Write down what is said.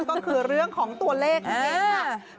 ก็คือเรื่องของตัวเลขนั่นเองค่ะ